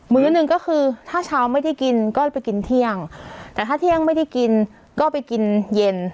มื้อหนึ่งก็คือถ้าเช้าไม่ได้กินก็ไปกินเที่ยงแต่ถ้าเที่ยงไม่ได้กินก็ไปกินเย็น